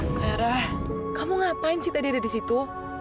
nara kamu ngapain sih tadi ada disitu